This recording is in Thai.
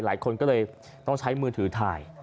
หลายคนก็เลยต้องใช้มือถือถ่าย